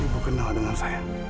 ibu kenapa dengan saya